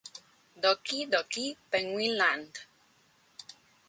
Doki Doki Penguin Land